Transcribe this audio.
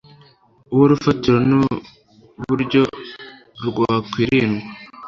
uwo rufata n'uburyo rwakwirindwa.